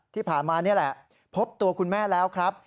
ที่ผ่านมานี่แหละพบตัวคุณแม่แล้วครับ